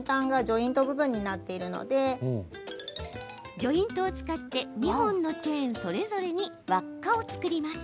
ジョイントを使って２本のチェーンそれぞれに輪っかを作ります。